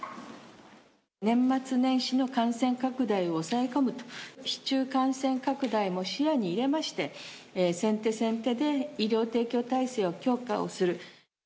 年末年始の感染拡大を抑え込むと、市中感染拡大も視野に入れまして、先手先手で医療提供体制を強化をする。